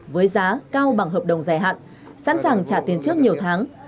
với giá cao bằng hợp đồng dài hạn sẵn sàng trả tiền trước nhiều tháng